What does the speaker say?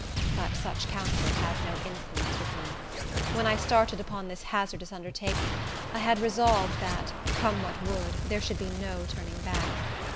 But such counsel had no influence with me. When I started upon this hazardous undertaking, I had resolved that, come what would, there should be no turning back.